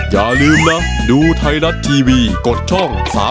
อย่าลืมนะดูไทยรัฐทีวีกดช่อง๓๒